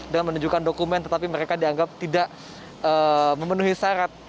dengan menunjukkan dokumen tetapi mereka dianggap tidak memenuhi syarat